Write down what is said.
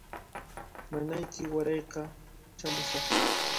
Mamayki waraypa chaamushqa.